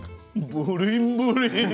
ブリンブリン。